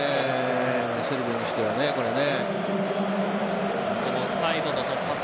セルビアにしたらね、これね。